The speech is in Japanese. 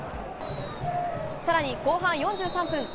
更に後半４３分